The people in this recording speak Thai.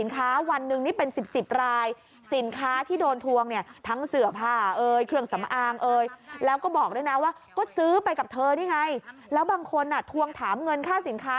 กับเธอนี่ไงแล้วบางคนทวงถามเงินค่าสินค้า